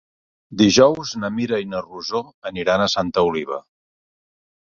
Dijous na Mira i na Rosó aniran a Santa Oliva.